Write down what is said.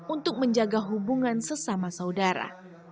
untuk menjaga hubungan sesama saudara